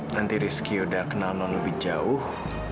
nanti rizky udah kenal non lebih jauh